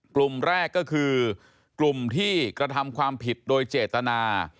กลุ่มแรกก็คือกลุ่มที่กระทำความผิดโดยเจตนา